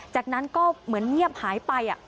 จากนั้นก็เหมือนเงียบหายไป